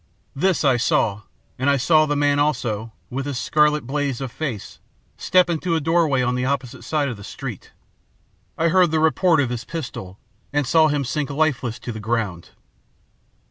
This I saw, and I saw the man also, with his scarlet blaze of face, step into a doorway on the opposite side of the street. I heard the report of his pistol, and saw him sink lifeless to the ground.